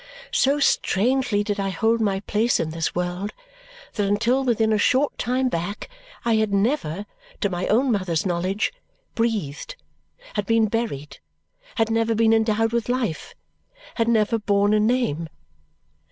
So strangely did I hold my place in this world that until within a short time back I had never, to my own mother's knowledge, breathed had been buried had never been endowed with life had never borne a name.